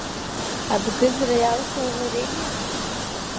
Абгыӡра иалху аварение?